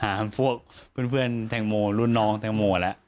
พวกเพื่อนแตงโมรุ่นน้องแตงโมแล้ว